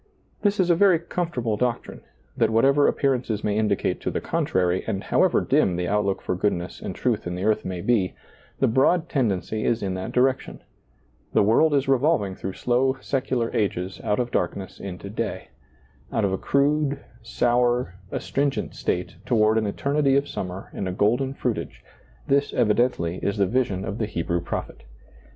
Tills is a very comfortable doctrine, that what ever appearances may indicate to the contrary, and however dim the outlook for goodness and ^lailizccbvGoOgle 88 SEEING DARKLY truth in the earth may be, the broad tendency is in that direction ; the world is revolving through slow secular ages out of darkness into day; out of a crude, sour, astringent state toward an eternity of summer and a golden fruitage — this evidently is the vision of the Hebrew prophet.